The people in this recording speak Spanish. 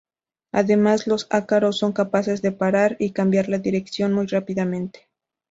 Además, los ácaros son capaces de parar y cambiar de dirección muy rápidamente.